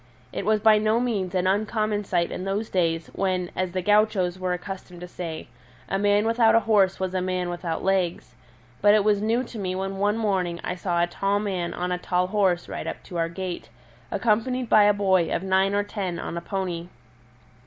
It was by no means an uncommon sight in those days when, as the gauchos were accustomed to say, a man without a horse was a man without legs; but it was new to me when one morning I saw a tall man on a tall horse ride up to our gate, accompanied by a boy of nine or ten on a pony.